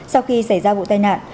sau khi xảy ra vụ tai nạn